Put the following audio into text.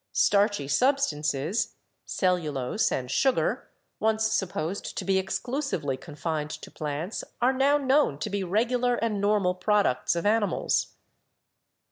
Starchy sub stances, cellulose and sugar, once supposed to be exclu sively confined to plants, are now known to be regular and normal products of animals.